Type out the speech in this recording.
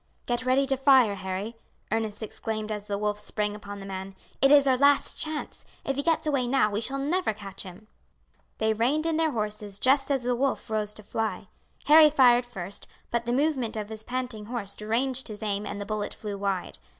"Get ready to fire, Harry," Ernest exclaimed as the wolf sprang upon the man, "it is our last chance. If he gets away now we shall never catch him." They reined in their horses just as the wolf rose to fly. Harry fired first, but the movement of his panting horse deranged his aim and the bullet flew wide.